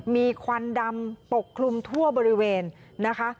มีควันดำปกคลุมทั่วบริเวณนะคะ